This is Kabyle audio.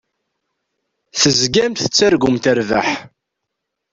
Tezgamt tettargumt rrbeḥ.